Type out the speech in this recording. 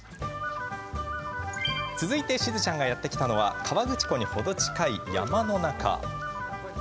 続いて、しずちゃんがやって来たのは河口湖に程近い山の中。